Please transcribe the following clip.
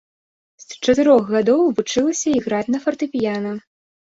З чатырох гадоў вучыўся іграць на фартэпіяна.